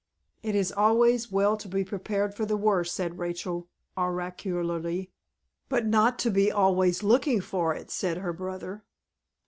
"It is always well to be prepared for the worst," said Rachel, oracularly. "But not to be always looking for it," said her brother.